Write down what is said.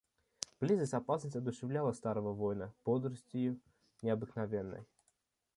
Близость опасности одушевляла старого воина бодростию необыкновенной.